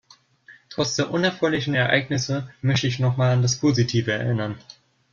Trotz der unerfreulichen Ereignisse möchte ich noch mal an das Positive erinnern.